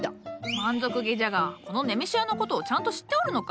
満足げじゃがこのネメシアのことをちゃんと知っておるのか？